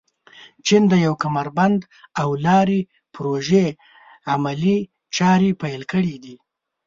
چین د یو کمربند او لارې پروژې عملي چارې پيل کړي دي.